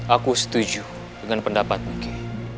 aku setuju dengan pendapatmu ki